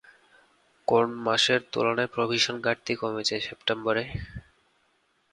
কোন মাসের তুলনায় প্রভিশন ঘাটতি কমেছে সেপ্টেম্বরে?